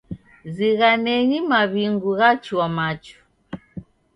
Zighanenyi maw'ingu ghachua machu.